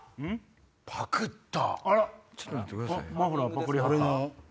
パクった！